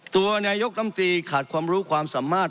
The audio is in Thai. ตัวนายกรรมตรีขาดความรู้ความสามารถ